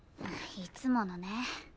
いつものね。